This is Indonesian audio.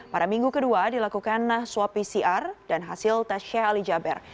pada minggu kedua dilakukanlah swab pcr dan hasil tes sheikh ali jaber